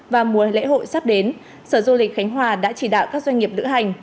và mùa lễ hội sắp đến sở du lịch khánh hòa đã chỉ đạo các doanh nghiệp lữ hành